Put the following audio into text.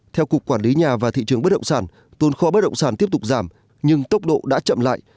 theo cục quản lý nhà và thị trường bất động sản tồn kho bất động sản tiếp tục giảm nhưng tốc độ đã chậm lại